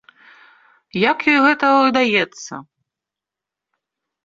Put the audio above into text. Як ёй гэта ўдаецца?